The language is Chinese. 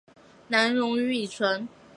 难溶于乙醇。